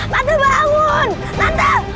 tante bangun tante